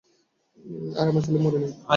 আর আমার ছেলে মরেনি।